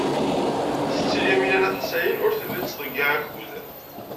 Setti Lyamina n At Ḥsayen ur telli tettḍeyyiɛ akud.